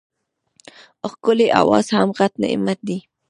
ښکلی اواز هم غټ نعمت دی.